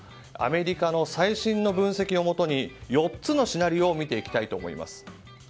アメリカの最新の分析をもとに４つのシナリオを見ていきたいと思います。